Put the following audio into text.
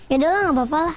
yaudah lah nggak apa apa lah